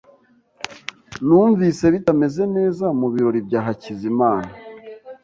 Numvise bitameze neza mu birori bya Hakizimana .